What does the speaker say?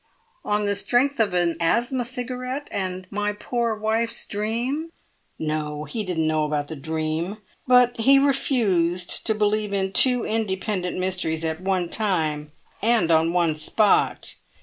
" "On the strength of an asthma cigarette and my poor wife's dream?" "No; he didn't know about the dream. But he refused to believe in two independent mysteries at one time and on one spot.